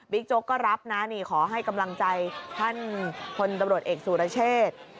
โจ๊กก็รับนะนี่ขอให้กำลังใจท่านพลตำรวจเอกสุรเชษ